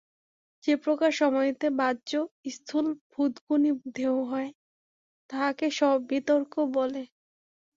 যে প্রকার সমাধিতে বাহ্য স্থূল ভূতগণই ধ্যেয় হয়, তাহাকে সবিতর্ক বলে।